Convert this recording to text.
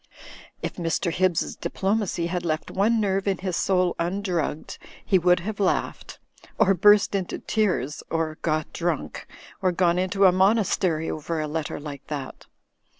If Mr. Hibbs's diplomacy had left one nerve in his soul undrugged, he would have laughed, or burst into tears, or got drunk, or gone into a monastery over a letter like that.